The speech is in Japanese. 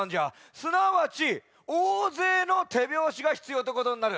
すなわちおおぜいのてびょうしがひつようってことになる。